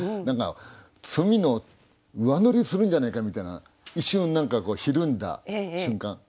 何か罪の上塗りするんじゃねえかみたいな一瞬何かこうひるんだ瞬間